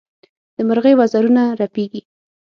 د مرغۍ وزرونه رپېږي.